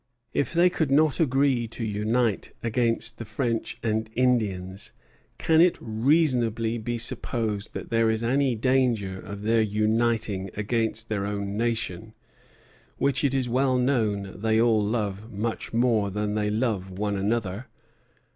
"If they could not agree to unite against the French and Indians, can it reasonably be supposed that there is any danger of their uniting against their own nation, which it is well known they all love much more than they love one another?